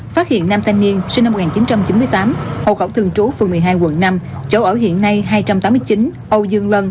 phát hiện nam thanh niên sinh năm một nghìn chín trăm chín mươi tám hộ khẩu thường trú phường một mươi hai quận năm chỗ ở hiện nay hai trăm tám mươi chín âu dương lân